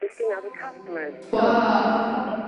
Gaynell Tinsley was another prominent of Hutson's time.